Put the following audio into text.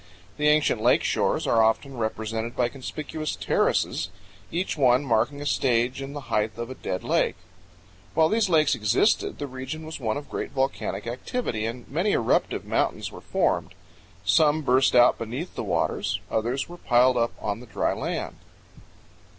The ancient lake shores are often represented by conspicuous terraces, each one marking a stage in the height of a dead lake. While these lakes existed the region was one of great volcanic activity and many eruptive mountains were formed. Some burst out beneath the waters; others were piled up on the dry land.